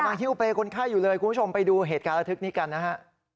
ฮิ้วเปรย์คนไข้อยู่เลยคุณผู้ชมไปดูเหตุการณ์ระทึกนี้กันนะฮะ